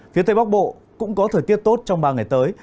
phía tây bắc bộ cũng có thời tiết tốt trong ba ngày tới